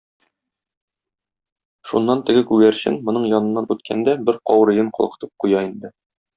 Шуннан теге күгәрчен, моның яныннан үткәндә, бер каурыен калкытып куя инде.